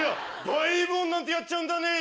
バイブ音なんてやっちゃうんだねぇ！